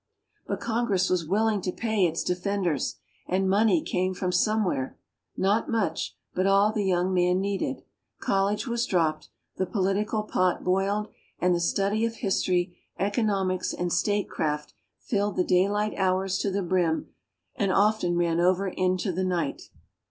But Congress was willing to pay its defenders, and money came from somewhere not much, but all the young man needed. College was dropped; the political pot boiled; and the study of history, economics and statecraft filled the daylight hours to the brim and often ran over into the night.